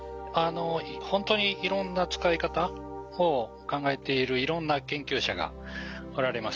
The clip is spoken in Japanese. ほんとにいろんな使い方を考えているいろんな研究者がおられます。